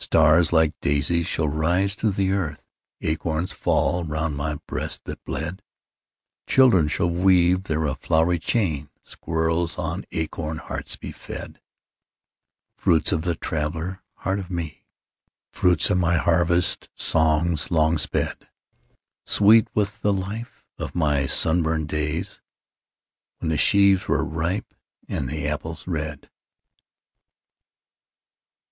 Stars, like daisies, shall rise through the earth, Acorns fall round my breast that bled. Children shall weave there a flowery chain, Squirrels on acorn hearts be fed:— Fruit of the traveller heart of me, Fruit of my harvest songs long sped: Sweet with the life of my sunburned days When the sheaves were ripe, and the apples red.